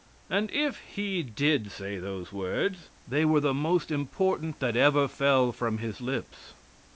And if He did say those words, they were the most important that ever fell from His lips.